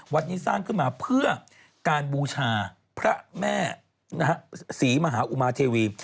วัดนี้สร้างขึ้นมาเพื่อการบูชาพระแม่ศรีมหาอุมาเทวี